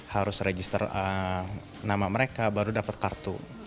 harus register nama mereka baru dapat kartu